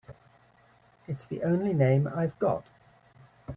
It's the only name I've got.